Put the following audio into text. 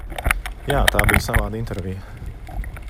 Jā, tā bija savāda intervija.